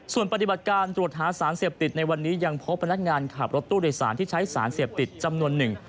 ส่วนปฏิบัติการตรวจหาสารเสพติดในวันนี้ยังพบพนักงานขับรถตู้โดยสารที่ใช้สารเสพติดจำนวนหนึ่ง